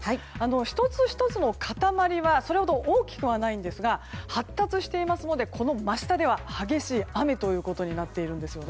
１つ１つの塊はそれほど大きくはないんですが発達していますのでこの真下では激しい雨となっているんです。